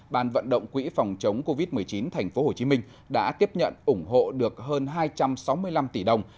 ban vận động quỹ phòng chống covid một mươi chín thành phố hồ chí minh đã tiếp nhận ủng hộ được hơn hai trăm sáu mươi năm tỷ đồng